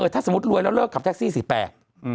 ถ้าสมมุติรวยแล้วเลิกขับแท็กซี่สี่แปด